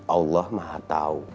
allah maha tau